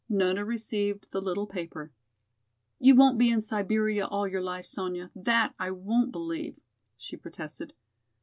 Nona received the little paper. "You won't be in Siberia all your life, Sonya, that I won't believe," she protested.